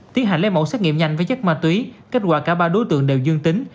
tiến hành lấy mẫu xét nghiệm nhanh với chất ma túy kết quả cả ba đối tượng đều dương tính